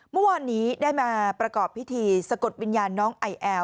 เมื่อวานนี้ได้มาประกอบพิธีสะกดวิญญาณน้องไอแอล